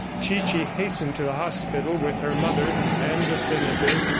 Chichi hastened to the hospital with her mother and the senator.